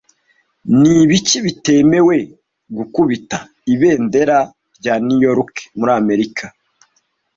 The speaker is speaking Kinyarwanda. Ni ibiki bitemewe gukubita ibendera rya New York muri Amerika